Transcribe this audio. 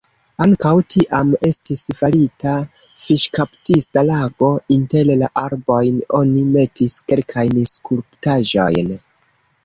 Ankaŭ tiam estis farita fiŝkaptista lago, inter la arbojn oni metis kelkajn skulptaĵojn.